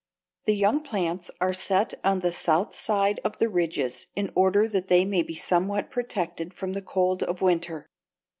The young plants are set on the south side of the ridges in order that they may be somewhat protected from the cold of winter.